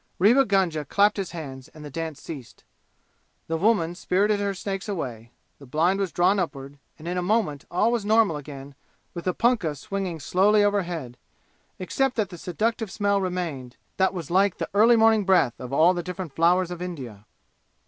Rewa Gunga clapped his hands and the dance ceased. The woman spirited her snakes away. The blind was drawn upward and in a moment all was normal again with the punkah swinging slowly overhead, except that the seductive smell remained, that was like the early morning breath of all the different flowers of India.